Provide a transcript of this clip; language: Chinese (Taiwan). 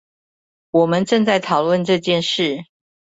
我們正在討論這件事